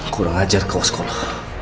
kurang ajar kau sekolah